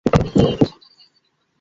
তুমি আসলেই চোদনা।